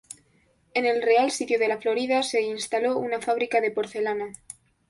En el Real Sitio de La Florida se instaló una fábrica de porcelana.